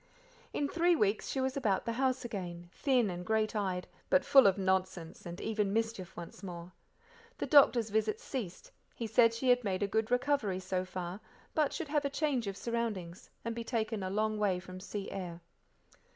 In three weeks she was about the house again, thin and great eyed, but full of nonsense and even mischief once more. The doctor's visits ceased; he said she had made a good recovery so far, but should have change of surroundings, and be taken a long way from sea air.